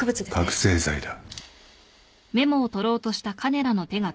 覚醒剤だ。